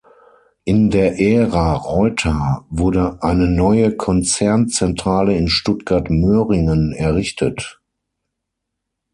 In der Ära Reuter wurde eine neue Konzernzentrale in Stuttgart-Möhringen errichtet.